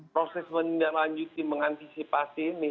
proses menindaklanjuti mengantisipasi ini